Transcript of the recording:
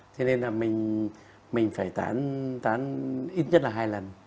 thế nên là mình phải tán tán ít nhất là hai lần